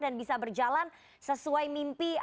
dan bisa berjalan sesuai mimpi